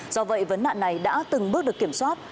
do vậy vấn nạn này đã từng bước được kiểm soát